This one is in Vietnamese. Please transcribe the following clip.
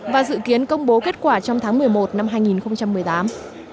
và dự kiến công bố kết quả trong tháng một mươi một năm hai nghìn một mươi tám